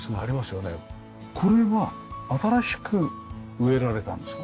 これは新しく植えられたんですか？